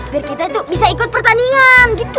biar kita tuh bisa ikut pertandingan gitu